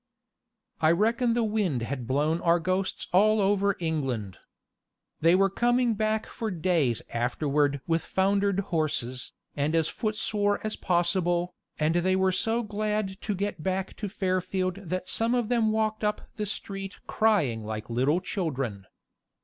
I reckon the wind had blown our ghosts all over England. They were coming back for days afterward with foundered horses, and as footsore as possible, and they were so glad to get back to Fairfield that some of them walked up the street crying like little children.